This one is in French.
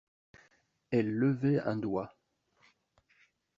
Elle levait un doigt.